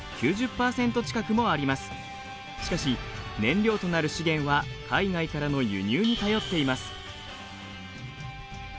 しかし燃料となる資源は海外からの輸入に頼っています。